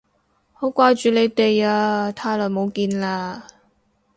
好掛住你哋啊，太耐冇見喇